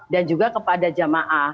dan juga kepada jemaah